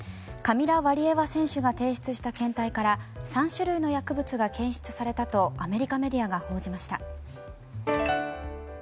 カミラ・ワリエワ選手が提出した検体から３種類の薬物が検出されたとアメリカメディアが報じました。